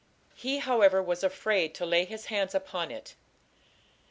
He, however, was afraid "to lay his hands upon it".